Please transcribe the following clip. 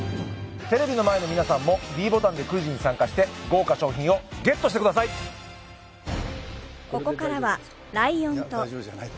テレビの前の皆さんもｄボタンでクイズに参加して豪華賞品をＧＥＴしてくださいええ